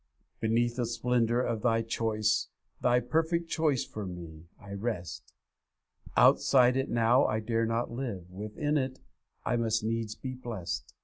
'Beneath the splendour of Thy choice, Thy perfect choice for me, I rest; Outside it now I dare not live, Within it I must needs be blest.